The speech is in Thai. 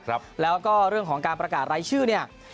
แล้วก็เรื่องของการประกาศรายชื่อเนี่ย